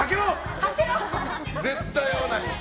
絶対に合わない。